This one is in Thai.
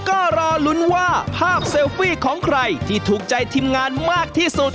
ก็รอลุ้นว่าภาพเซลฟี่ของใครที่ถูกใจทีมงานมากที่สุด